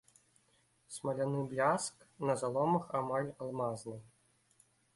Смаляны бляск, на заломах амаль алмазны.